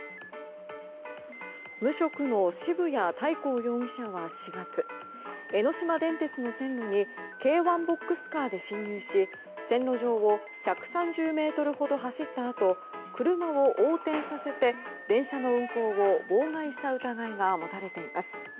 無職の渋谷大皇容疑者は４月江ノ島電鉄の線路に軽ワンボックスカーで侵入し線路上を１３０ｍほど走ったあと車を横転させて、電車の運行を妨害した疑いが持たれています。